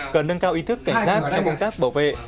cần nâng cao ý thức cảnh giác trong công tác bảo vệ